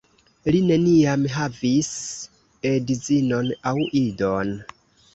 Li neniam havis edzinon aŭ idon.